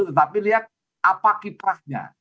tetapi lihat apa kiprahnya